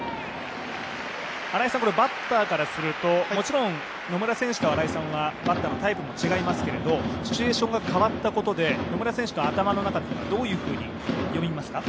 バッターからすると、もちろん野村選手と新井さんはバッターのタイプも違いますけど、シチュエーションが変わったことで野村選手の頭の中はどういうふうに読みますか。